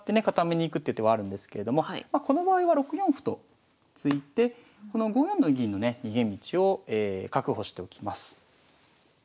固めに行くっていう手はあるんですけれどもこの場合は６四歩と突いてこの５四の銀のね逃げ道を確保しておきます。